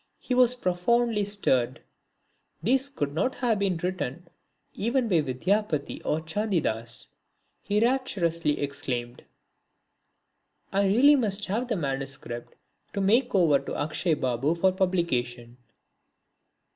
He was profoundly stirred. "These could not have been written even by Vidyapati or Chandidas!" he rapturously exclaimed. "I really must have that MS. to make over to Akshay Babu for publication."